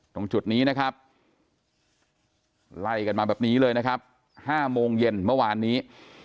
ตรงจุดนี้นะครับไล่กันมาแบบนี้เลยนะครับ๕โมงเย็นเมื่อวานนี้